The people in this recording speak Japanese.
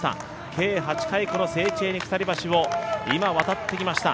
計８回このセーチェーニ鎖橋を今、渡ってきました。